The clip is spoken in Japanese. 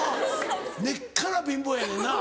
根っから貧乏やねんな。